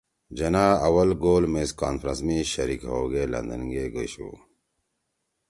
جناح اول گول میز کانفرنس می شریک ہؤگے لندن گے گَشُو